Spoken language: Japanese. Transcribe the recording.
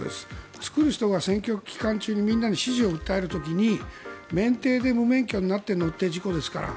作る人が選挙期間中にみんなに支持を訴える時に免停で無免許になっての接触事故ですから。